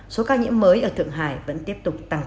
số ca nhiễm mới ở thượng hải vẫn tiếp tục tăng